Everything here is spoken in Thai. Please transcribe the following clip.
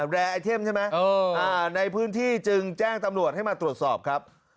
แอร์ไอเทมใช่ไหมในพื้นที่จึงแจ้งตำรวจให้มาตรวจสอบครับ